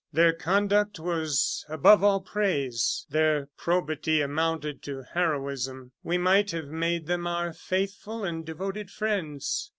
Their conduct was above all praise; their probity amounted to heroism. We might have made them our faithful and devoted friends.